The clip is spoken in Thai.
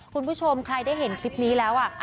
คุณผู้ชมใครได้เห็นคลิปนี้แล้ว